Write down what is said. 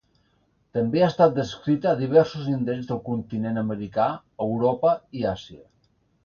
També ha estat descrita a diversos indrets del continent americà, Europa i Àsia.